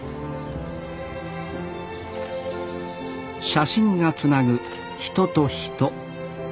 写真がつなぐ人と人。